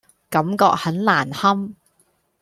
感覺很難堪